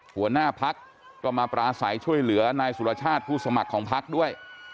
หัวหน้าพักก็มาปราศัยช่วยเหลือนายสุรชาติผู้สมัครของพักด้วย